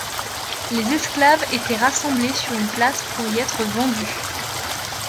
Les esclaves étaient rassemblés sur une place pour y être vendus.